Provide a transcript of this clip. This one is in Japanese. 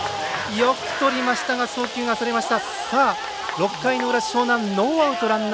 よくとりましたが送球がそれました。